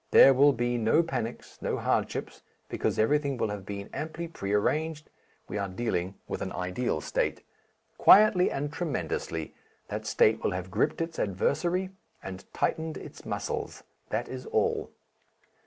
There will be no panics, no hardships, because everything will have been amply pre arranged we are dealing with an ideal State. Quietly and tremendously that State will have gripped its adversary and tightened its muscles that is all.